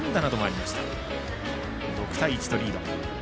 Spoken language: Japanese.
６対１とリード。